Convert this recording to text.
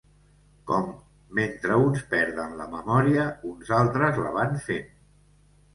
Com, mentre uns perden la memòria, uns altres la van fent.